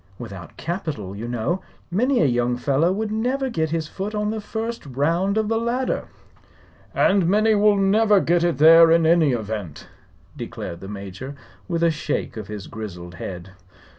Without capital, you know, many a young fellow would never get his foot on the first round of the ladder." "And many will never get it there in any event," declared the Major, with a shake of his grizzled head.